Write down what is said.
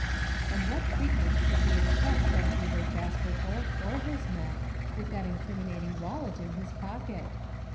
And what treatment could he expect from either Jasper Holt or his men with that incriminating wallet in his pocket?